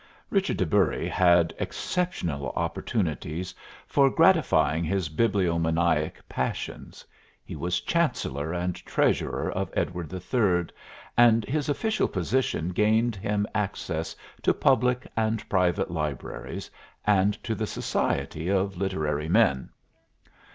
Richard de Bury had exceptional opportunities for gratifying his bibliomaniac passions. He was chancellor and treasurer of Edward III., and his official position gained him access to public and private libraries and to the society of literary men.